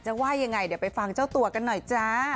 ว่ายังไงเดี๋ยวไปฟังเจ้าตัวกันหน่อยจ้า